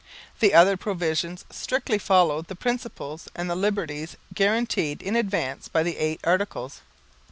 The other provisions strictly followed the principles and the liberties guaranteed in advance by the Eight Articles.